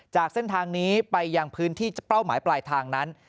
จากเส้นทางนี้ไปยังพื้นที่เป้าหมายปลายทางนั้น